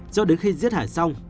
cho đến khi giết hải xong